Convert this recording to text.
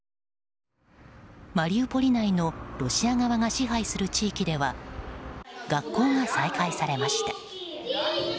マリウポリ内のロシア側が支配する地域では学校が再開されました。